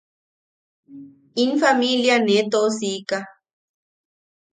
In familia nee toʼosiika.